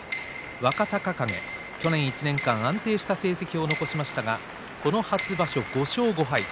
若隆景、去年１年間安定した成績を残しましたがこの初場所、５勝５敗。